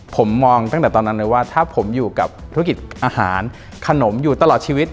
ผมมองตั้งแต่ตอนนั้นเลยว่าถ้าผมอยู่กับธุรกิจอาหารขนมอยู่ตลอดชีวิต